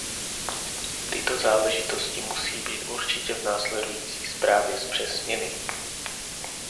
Tyto záležitosti musí být určitě v následující zprávě zpřesněny.